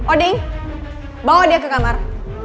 oding bawa dia ke kamar